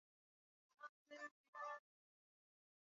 kwenye tumbo na utumbo hivyo kusababisha vidonda